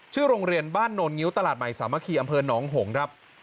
ชื่อโรงเรียนบ้านโนลงิ้วตลาดใหม่สามัคคีอำเภอหนองหงครับ